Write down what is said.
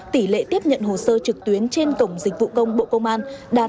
tỷ lệ tiếp nhận hồ sơ trực tuyến trên tổng dịch vụ công bộ công an đạt chín mươi bốn chín mươi bốn